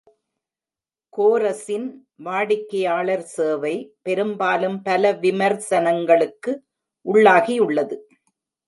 கோரஸின் வாடிக்கையாளர் சேவை பெரும்பாலும் பல விமர்சனங்களுக்கு உள்ளாகியுள்ளது.